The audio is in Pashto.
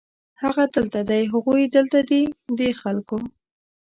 هغه دلته دی، هغوی دلته دي ، دې خلکو